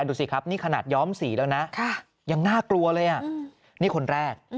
ดูสิครับนี่ขนาดย้อมสีแล้วนะยังน่ากลัวเลยอ่ะนี่คนแรก